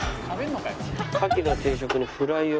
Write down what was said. カキの定食にフライを。